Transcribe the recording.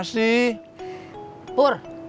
biar udah berhasil